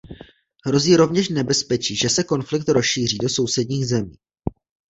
Hrozí rovněž nebezpečí, že se konflikt rozšíří do sousedních zemí.